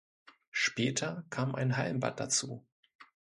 Später kam ein Hallenbad dazu.